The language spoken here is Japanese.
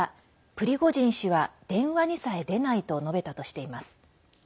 プリゴジン氏は電話にさえ出ないと述べたとしています。